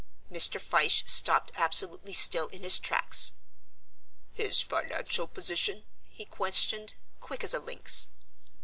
Mr. Fyshe stopped absolutely still in his tracks. "His financial position?" he questioned, quick as a lynx.